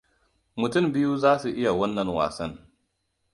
Mutum biyu za su iya wannan wasan.